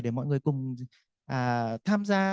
để mọi người cùng tham gia